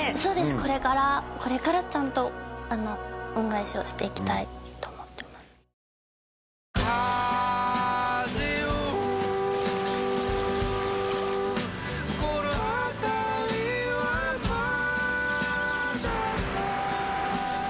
これからこれからちゃんと恩返しをしていきたいと思ってます乾杯！